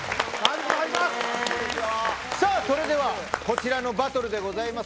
それではこちらのバトルでございます。